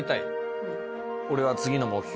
俺は次の目標